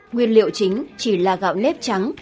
nguyên liệu chính chỉ là gạo nếp trắng